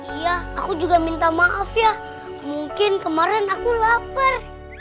iya aku juga minta maaf ya mungkin kemarin aku lapar